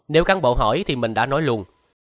nếu cán bộ hỏi thì mình đã nói luôn